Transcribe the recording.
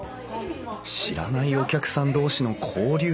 知らないお客さん同士の交流。